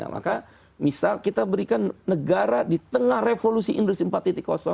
maka misal kita berikan negara di tengah revolusi industri empat